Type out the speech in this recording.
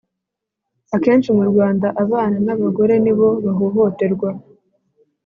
akenshi mu rwanda, abana n’abagore nibo bahohoterwa.